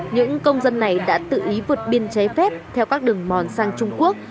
những công dân này đã tự ý vượt biên trái phép theo các đường mòn sang trung quốc